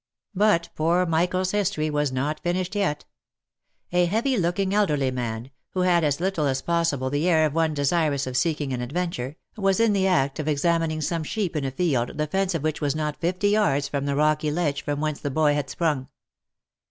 But poor Michael's history was not finished yet. A heavy looking elderly man, who had as little as possible the air of one desirous of seeking an adventure, was in the act of examining some sheep in a field, the fence of which was not fifty yards from the rocky ledge from whence the boy had sprung.